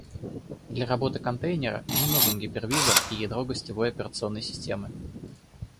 Для работы контейнера не нужен гипервизор и ядро гостевой операционной системы